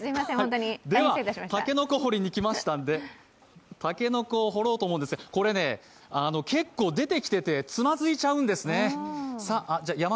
竹の子掘りに来ましたので、竹の子を掘ろうと思うんですが、これね、結構、出てきててつまずいちゃうんですね。